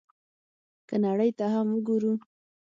که نړۍ ته هم وګورو،